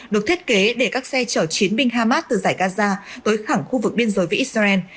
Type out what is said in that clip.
được thiết kế để các xe chở chiến binh hamas từ giải gaza tới khẳng khu vực biên giới với israel